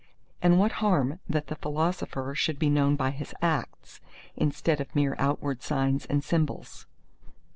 And what harm that the philosopher should be known by his acts, instead of mere outward signs and symbols?"